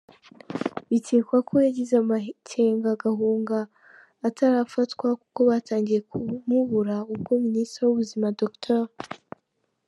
Bikekwa ko yagize amakenga ahunga atarafatwa, kuko batangiye kumubura ubwo Minisitiri w’Ubuzima Dr.